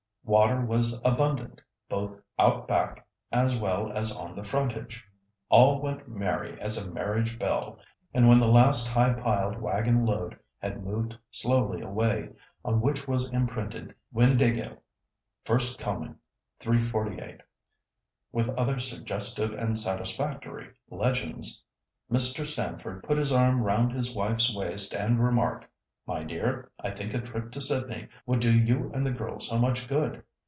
Water was abundant, both "out back" as well as on the frontage. "All went merry as a marriage bell," and when the last high piled waggon load had moved slowly away, on which was imprinted "Windāhgil, First Combing, 348," with other suggestive and satisfactory legends, Mr. Stamford put his arm round his wife's waist, and remarked, "My dear, I think a trip to Sydney would do you and the girls so much good.